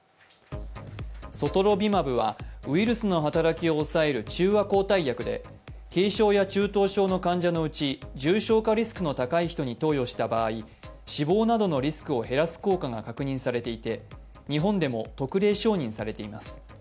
ソトロビマブはウイルスの働きを抑える中和抗体薬で軽症や中等症の患者のうち重症化リスクの高い人に投与した場合、死亡などのリスクを減らす効果などが確認されていて、日本でも特例承認されています。